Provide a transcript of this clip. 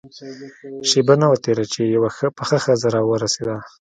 شېبه نه وه تېره چې يوه پخه ښځه راورسېده.